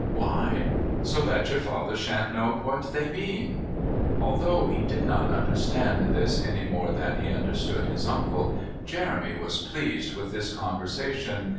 "Why?" "So that your father shan't know what they mean." Although he did not understand this any more than he understood his uncle, Jeremy was pleased with this conversation.